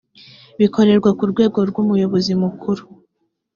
bikorerwa ku rwego rw’umuyobozi mukuru